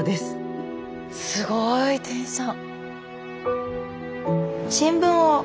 すごい店員さん！